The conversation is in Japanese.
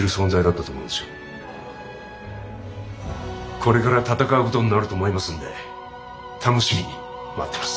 これから戦うことになると思いますんで楽しみに待ってます。